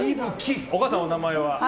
お母さん、お名前は？